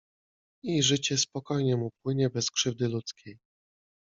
I życie spokojnie mu płynie bez krzywdy ludzkiej.